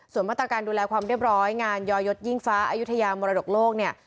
ส่วนมาตรการดูแลความเรียบร้อยงานยอยศยิ่งฟ้าอายุทยามรดกโลกเนี่ย